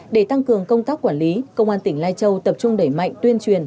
để tăng cường công tác quản lý công an tỉnh lai châu tập trung đẩy mạnh tuyên truyền